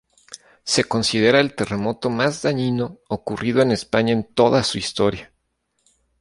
Se considera el terremoto más dañino ocurrido en España en toda su historia.